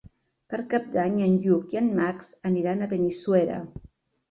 Per Cap d'Any en Lluc i en Max aniran a Benissuera.